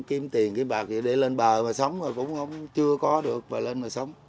kiếm tiền kiếm bạc để lên bờ mà sống rồi cũng chưa có được mà lên mà sống